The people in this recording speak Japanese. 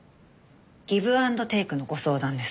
ギブ・アンド・テイクのご相談です。